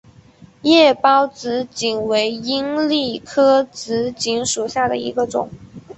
叶苞紫堇为罂粟科紫堇属下的一个种。